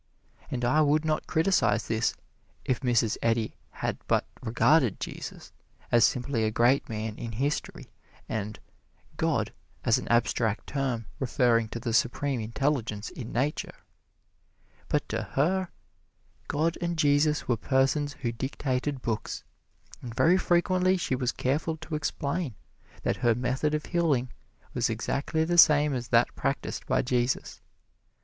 And I would not criticize this if Mrs. Eddy had but regarded Jesus as simply a great man in history and "God" as an abstract term referring to the Supreme Intelligence in Nature. But to her, God and Jesus were persons who dictated books, and very frequently she was careful to explain that her method of healing was exactly the same as that practised by Jesus.